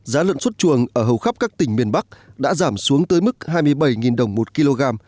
giá lợn xuất chuồng ở hầu khắp các tỉnh miền bắc đã giảm xuống tới mức hai mươi bảy đồng một kg